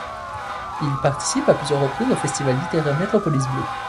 Il participe à plusieurs reprises au festival littéraire Metropolis bleu.